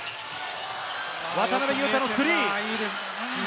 渡邊雄太のスリー！